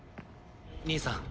兄さん